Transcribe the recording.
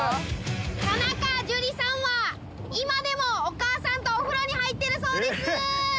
田中樹さんは今でもお母さんとお風呂に入ってるそうです。